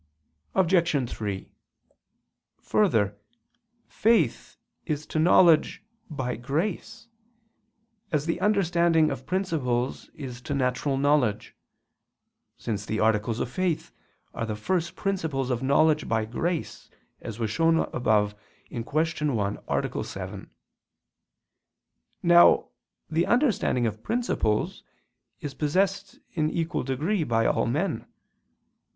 Obj. 3: Further, faith is to knowledge by grace, as the understanding of principles is to natural knowledge, since the articles of faith are the first principles of knowledge by grace, as was shown above (Q. 1, A. 7). Now the understanding of principles is possessed in equal degree by all men.